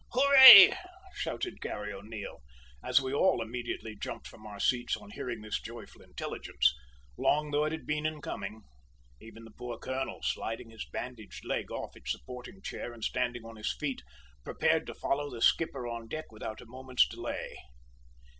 "Hooray!" shouted Garry O'Neil, as we all immediately jumped from our seats on hearing this joyful intelligence, long though it had been in coming, even the poor colonel, sliding his bandaged leg off its supporting chair and standing on his feet, prepared to follow the skipper on deck without a moment's delay.